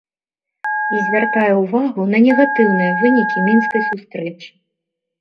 І звяртае ўвагу на негатыўныя вынікі мінскай сустрэчы.